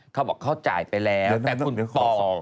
เขาบอกเขาจ่ายไปแล้วแต่คุณขอ